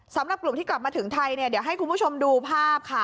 สำหรับกลุ่มที่กลับมาถึงไทยเนี่ยเดี๋ยวให้คุณผู้ชมดูภาพค่ะ